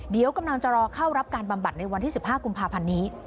เดี๋ยวกำลังจะรอเข้ารับการบำบัดในวันที่๑๕กุมภาพันธ์นี้